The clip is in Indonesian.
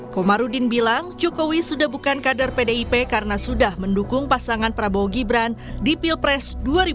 komarudin bilang jokowi sudah bukan kader pdip karena sudah mendukung pasangan prabowo gibran di pilpres dua ribu sembilan belas